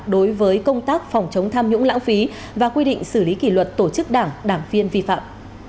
đối với công tác phòng chống tham nhũng lãng phí và quy định xử lý kỷ luật tổ chức đảng đảng viên vi phạm